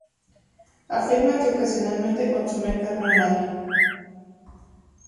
Afirman que ocasionalmente consumen carne humana.